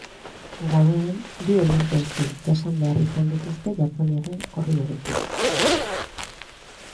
Gauean bi elur-jauzi jasan behar izan dituzte japoniarren korridoretik.